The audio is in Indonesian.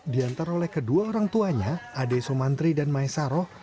diantar oleh kedua orang tuanya ade sumantri dan maisaro